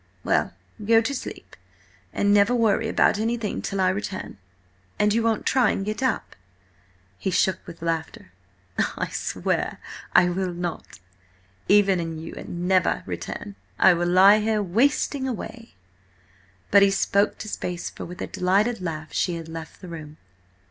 Well, go to sleep, and never worry about anything till I return. And you won't try and get up?" He shook with laughter. "I swear I will not! Even an you never return, I will lie here, wasting away—" But he spoke to space, for with a delighted laugh she had left the room.